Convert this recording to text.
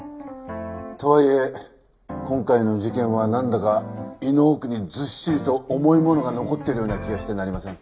とはいえ今回の事件はなんだか胃の奥にずっしりと重いものが残っているような気がしてなりません。